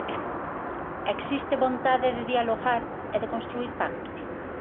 ¿Existe vontade de dialogar e de construír pactos?